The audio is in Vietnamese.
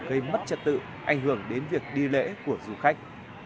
gây mất trật tự ảnh hưởng đến việc đi lễ của du khách